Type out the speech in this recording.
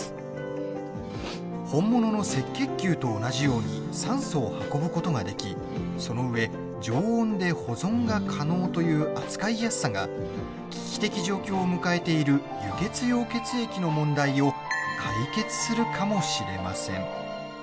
本物の赤血球と同じように酸素を運ぶことができ、そのうえ常温で保存が可能という扱いやすさが、危機的状況を迎えている輸血用血液の問題を解決するかもしれません。